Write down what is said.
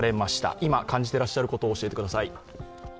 今、感じていらっしゃることを教えてください。